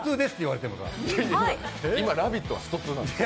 今「ラヴィット！」は「ストⅡ」なんです。